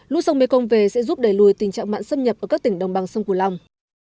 lũ sông mekong về sẽ giúp đẩy lùi tình trạng mạng xâm nhập ở các tỉnh đồng bằng sông củ lâm